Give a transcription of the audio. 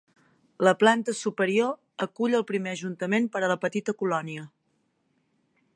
La planta superior acull el primer ajuntament per a la petita colònia.